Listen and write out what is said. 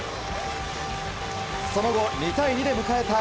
その後、２対２で迎えた